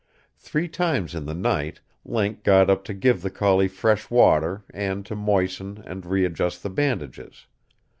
Three times in the night Link got up to give the collie fresh water and to moisten and re adjust the bandages.